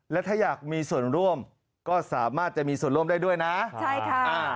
และถ้าอยากมีส่วนร่วมก็สามารถจะมีส่วนร่วมได้ด้วยนะใช่ค่ะอ่า